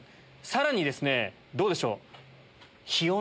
さらにですねどうでしょう。